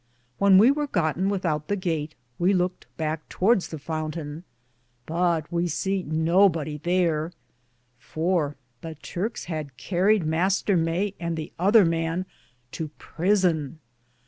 When we weare gotten withoute the gate we Louked backe towardes the fountaine, but we se nobodye there ; for the Turkes had carried Mr. Maye and the other man to prison.